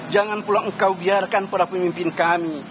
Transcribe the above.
jangan pulang engkau biarkan para pemimpin kami